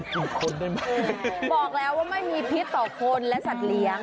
บอกแล้วว่าไม่มีพิษต่อคนและสัตว์เลี้ยง